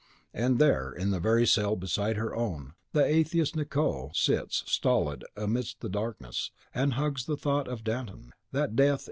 And there, in the very cell beside her own, the atheist Nicot sits stolid amidst the darkness, and hugs the thought of Danton, that death is nothingness.